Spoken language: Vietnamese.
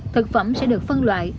thực phẩm sẽ được phân loại